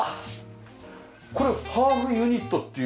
これハーフユニットっていう。